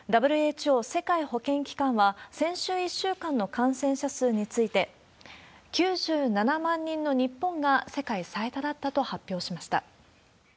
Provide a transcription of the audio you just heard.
ＷＨＯ・世界保健機関は、先週１週間の感染者数について、９７万人の日本が世界最多だったと発表しました。